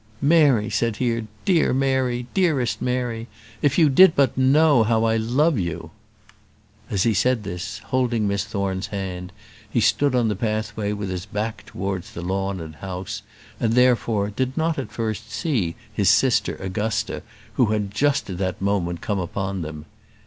"Mary," said he; "dear Mary! dearest Mary! if you did but know how I love you!" As he said this, holding Miss Thorne's hand, he stood on the pathway with his back towards the lawn and house, and, therefore, did not at first see his sister Augusta, who had just at that moment come upon them.